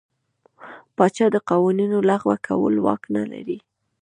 پاچا د قوانینو لغوه کولو واک نه لري.